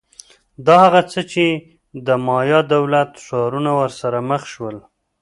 دا هغه څه چې د مایا دولت ښارونه ورسره مخ شول